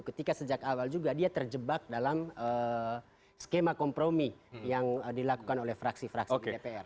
ketika sejak awal juga dia terjebak dalam skema kompromi yang dilakukan oleh fraksi fraksi di dpr